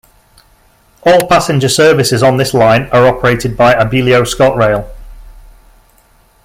All passenger services on this Line are operated by Abellio ScotRail.